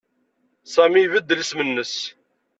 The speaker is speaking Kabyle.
Sami ibeddel isem-nnes.